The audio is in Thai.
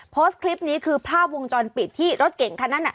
โพสต์คลิปนี้คือภาพวงจรปิดที่รถเก่งคันนั้น